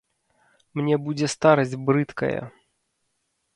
Мне будзе старасць брыдкая!